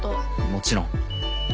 もちろん。